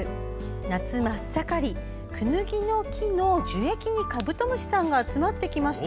夏真っ盛り、クヌギの木の樹液にカブトムシさんが集まってきました。